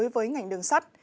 với ngành đường sắt